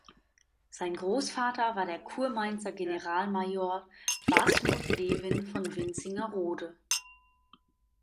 Sein Großvater war der Kurmainzer Generalmajor Wasmuth Levin von Wintzingerode.